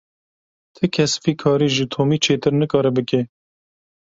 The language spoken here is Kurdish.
Ti kes vî karî ji Tomî çêtir nikare bike.